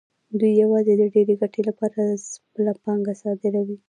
دوی یوازې د ډېرې ګټې لپاره خپله پانګه صادروي